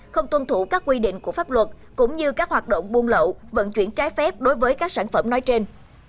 không tuân thủ các quy định của pháp luật cũng như các hoạt động buôn lậu vận chuyển trái phép đối với các sản phẩm nói trên